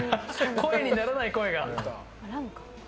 声にならない声が。